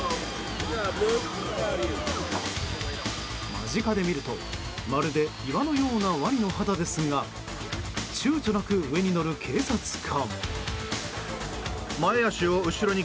間近で見るとまるで岩のようなワニの肌ですがちゅうちょなく上に乗る警察官。